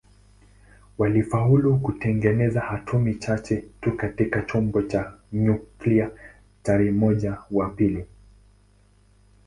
Walifaulu kutengeneza atomi chache tu katika chombo cha nyuklia tarehe moja mwezi wa pili